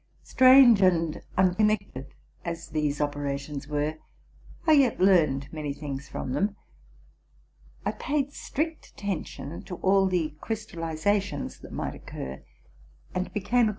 Strange and unconnected as these operations were, I yet learned many things from them. I paid strict attention to all the crystallizations that might occur, and became ac.